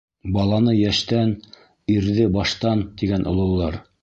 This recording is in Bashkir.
Баланы йәштән, ирҙе баштан, тигән ололар.